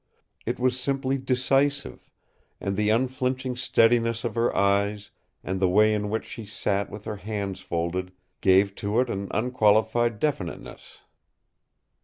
It was simply decisive, and the unflinching steadiness of her eyes and the way in which she sat with her hands folded gave to it an unqualified definiteness.